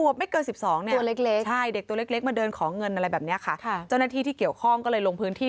ประมาณสัก๖ควบไม่เกิน๑๒เนี่ย